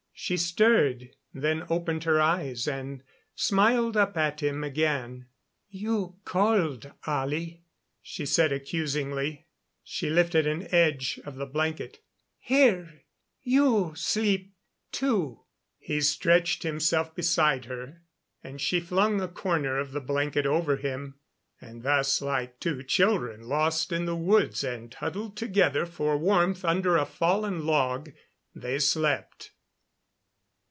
She stirred, then opened her eyes and smiled up at him again. "You cold, Ollie," she said accusingly. She lifted an edge of the blanket. "Here you sleep, too." He stretched himself beside her, and she flung a corner of the blanket over him; and thus, like two children lost in the woods and huddled together for warmth under a fallen log, they slept.